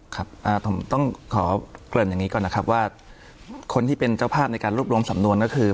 ครับผมต้องขอเกริ่นอย่างนี้ก่อนนะครับว่าคนที่เป็นเจ้าภาพในการรวบรวมสำนวนก็คือ